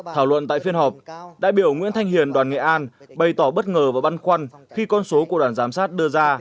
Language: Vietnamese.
thảo luận tại phiên họp đại biểu nguyễn thanh hiền đoàn nghệ an bày tỏ bất ngờ và băn khoăn khi con số của đoàn giám sát đưa ra